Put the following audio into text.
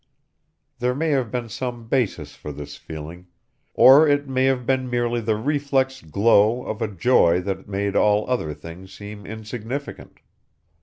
There may have been some basis for this feeling, or it may have been merely the reflex glow of a joy that made all other things seem insignificant.